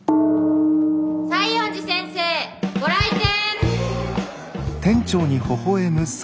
西園寺先生ご来店！